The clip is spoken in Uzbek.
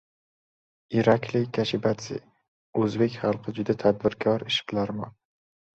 Irakliy Kashibadze: «O‘zbek xalqi juda tadbirkor, ishbilarmon»